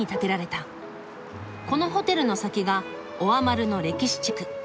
このホテルの先がオアマルの歴史地区。